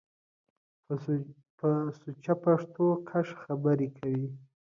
په سوچه پښتو کښ خبرې کوٸ۔